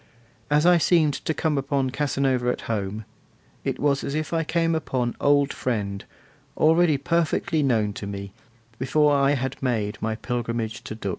As I seemed to come upon Casanova at home, it was as if I came upon old friend, already perfectly known to me, before I had made my pilgrimage to Dux.